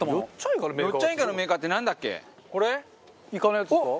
イカのやつですか？